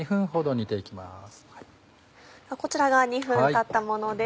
こちらが２分たったものです。